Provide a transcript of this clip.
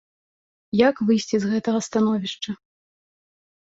Як выйсці з гэтага становішча?